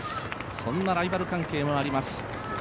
そんなライバル関係もあります。